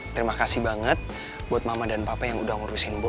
terima kasih banget buat mama dan papa yang udah ngurusin bom